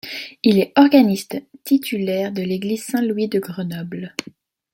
Il est organiste titulaire de l'église Saint-Louis de Grenoble.